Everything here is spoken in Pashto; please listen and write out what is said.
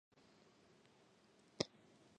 د ولس حقونه يې د امن شرط بلل.